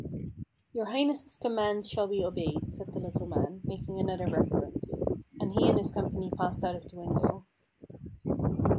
"Your Highness's commands shall be obeyed," said the little man, making another reverence; and he and his company passed out of the window.